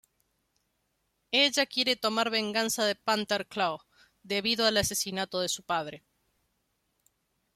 Ella quiere tomar venganza de Panther Claw debido al asesinato de su padre.